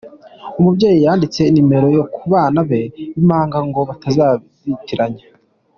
Umubyeyi yanditse nimero ku bana be b’impanga ngo batazabitiranya